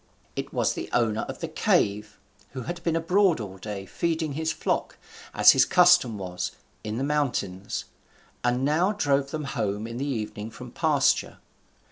It was the owner of the cave, who had been abroad all day feeding his flock, as his custom was, in the mountains, and now drove them home in the evening from pasture.